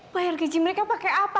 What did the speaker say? bayar gaji mereka pakai apa